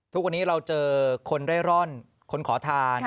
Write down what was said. ทุกวันนี้เราเจอคนเร่ร่อนคนขอทาน